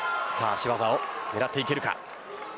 足技を狙っていけるか。